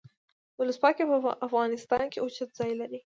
ولسواکي په افغانستان کې اوچت ځای لري.